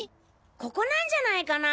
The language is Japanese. ここなんじゃないかな？